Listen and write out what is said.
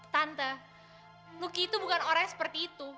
tante lucky tuh bukan orang yang seperti itu